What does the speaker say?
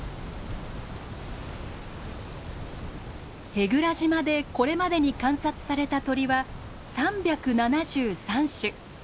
舳倉島でこれまでに観察された鳥は３７３種。